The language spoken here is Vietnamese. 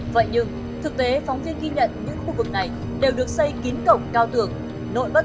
vậy nhưng thực tế phóng viên ghi nhận những khu vực này đều được xây kín cổng cao tường nội bất